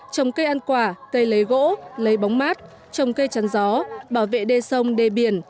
trồng cây ăn quả cây lấy gỗ lấy bóng mát trồng cây chăn gió bảo vệ đê sông đê biển